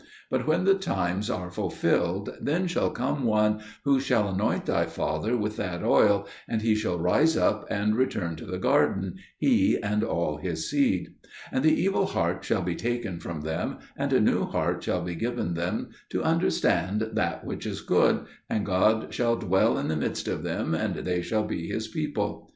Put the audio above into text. But when the times are fulfilled, then shall come One who shall anoint thy father with that oil, and he shall rise up and return to the garden, he and all his seed; and the evil heart shall be taken from them, and a new heart shall be given them to understand that which is good, and God shall dwell in the midst of them, and they shall be His people.